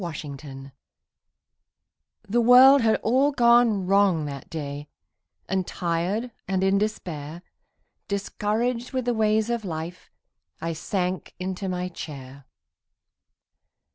MY COMFORTER The world had all gone wrong that day And tired and in despair, Discouraged with the ways of life, I sank into my chair.